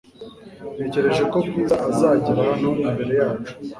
Natekereje ko Bwiza azagera hano imbere yacu .